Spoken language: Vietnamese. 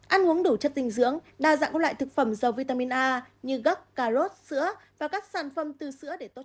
ăn uống đủ chất dinh dưỡng đa dạng các loại thực phẩm dầu vitamin a như gốc cà rốt sữa và các sản phẩm từ sữa để tốt